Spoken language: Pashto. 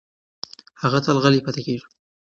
هغه تل غلې پاتې کېږي.